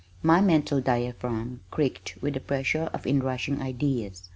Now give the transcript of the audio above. My mental diaphragm creaked with the pressure of inrushing ideas.